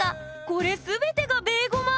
これ全てがベーゴマ！